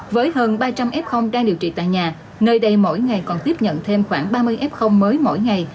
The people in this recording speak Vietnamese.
với hơn ba trăm linh f đang điều trị tại nhà nơi đây mỗi ngày còn tiếp nhận thêm khoảng ba mươi f mới mỗi ngày